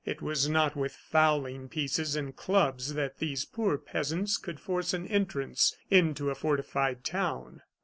It was not with fowling pieces and clubs that these poor peasants could force an entrance into a fortified town.